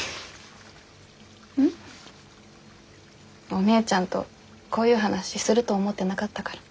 お姉ちゃんとこういう話すると思ってなかったから。